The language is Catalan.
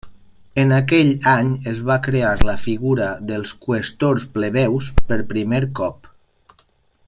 En aquell any es va crear la figura dels qüestors plebeus per primer cop.